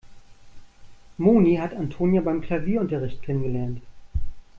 Moni hat Antonia beim Klavierunterricht kennengelernt.